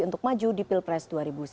untuk maju di pilpres dua ribu sembilan belas